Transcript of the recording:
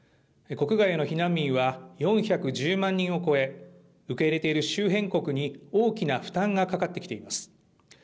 国外への避難民は４１０万人を超え、受け入れている周辺国に大きな負担がかかってきています。